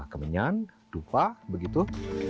kemenyan dupa begitu